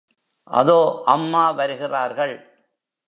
அதோ அம்மா வருகிறார்கள்.